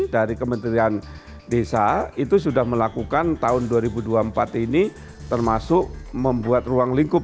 dari kementerian desa itu sudah melakukan tahun dua ribu dua puluh empat ini termasuk membuat ruang lingkup